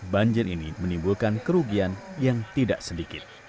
banjir ini menimbulkan kerugian yang tidak sedikit